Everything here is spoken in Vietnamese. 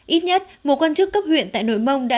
ít nhất một quan chức cấp huyện tại nội mông đã